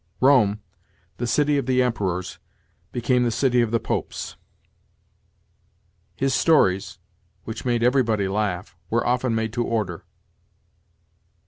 "Rome, the city of the Emperors, became the city of the Popes." "His stories, which made everybody laugh, were often made to order."